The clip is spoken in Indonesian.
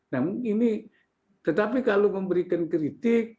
namun ini tetapi kalau memberikan kritik